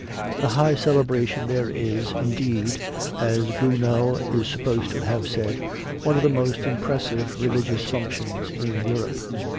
The high celebration there is, indeed, as Gounod is supposed to have said, one of the most impressive religious functions in Europe.